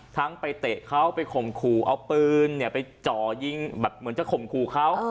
ทั้งไปเตะเขาไปข่มขู่เอาปืนไปจ่อยิงแบบเหมือนจะข่มขู่เขา